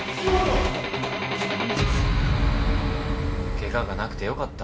怪我がなくてよかった。